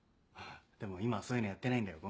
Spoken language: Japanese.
でも今はそういうのやってないんだよ。